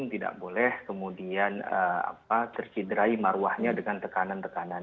tidak boleh kemudian terkiderai maruahnya dengan tekanan tekanan